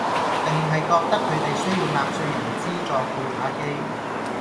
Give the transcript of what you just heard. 定係覺得佢哋需要納稅人資助佢打機